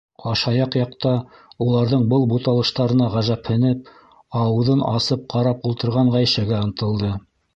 Ҡашаяҡ яҡта уларҙың был буталыштарына ғәжәпһенеп, ауыҙын асып ҡарап ултырған Ғәйшәгә ынтылды.